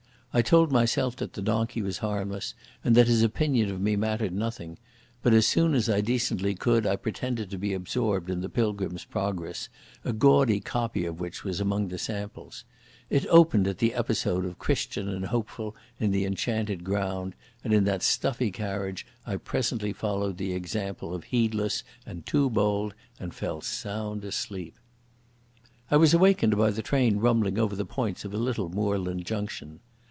I told myself that the donkey was harmless, and that his opinion of me mattered nothing, but as soon as I decently could I pretended to be absorbed in the Pilgrim's Progress, a gaudy copy of which was among the samples. It opened at the episode of Christian and Hopeful in the Enchanted Ground, and in that stuffy carriage I presently followed the example of Heedless and Too Bold and fell sound asleep. I was awakened by the train rumbling over the points of a little moorland junction.